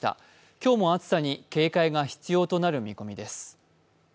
今日も暑さに警戒が必要となる見込みです。